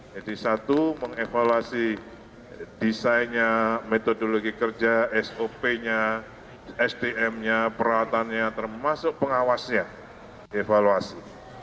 jadi satu mengevaluasi desainnya metodologi kerja sop nya stm nya perawatannya termasuk pengawasnya evaluasi